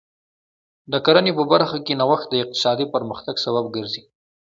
د کرنې په برخه کې نوښت د اقتصادي پرمختګ سبب ګرځي.